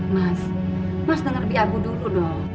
mas mas denger biar aku dulu dong